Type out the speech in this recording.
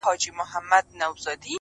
څوک و یوه او څوک وبل ته ورځي,